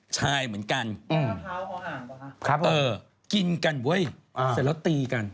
ชายเหมือนกันกินกันเว้ยเสร็จแล้วตีกัน